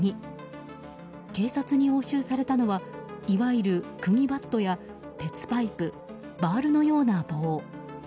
警察に押収されたのはいわゆる釘バットや鉄パイプバールのような棒。